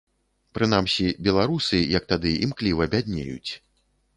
Прынамсі, беларусы, як тады, імкліва бяднеюць.